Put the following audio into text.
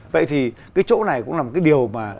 vậy thì cái chỗ này cũng là một cái điều mà